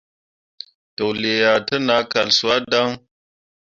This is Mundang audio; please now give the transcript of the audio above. Toklǝǝah te nah kal suah dan.